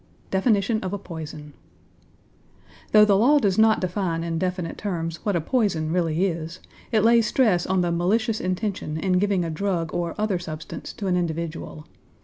DEFINITION OF A POISON Though the law does not define in definite terms what a poison really is, it lays stress on the malicious intention in giving a drug or other substance to an individual.